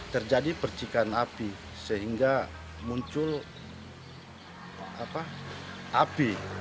terjadi percikan api sehingga muncul api